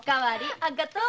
ありがと。